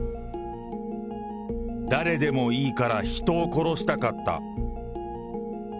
誰でもいいから人を殺したかった。